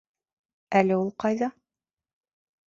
Әле ул ҡайҙа?